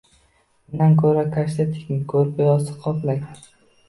Undan koʼra kashta tiking, koʼrpa-yostiq qoplang.